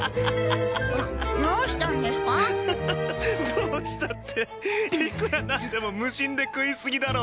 「どうした？」っていくらなんでも無心で食い過ぎだろう。